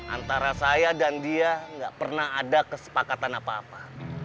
antara saya dan dia nggak pernah ada kesepakatan apa apa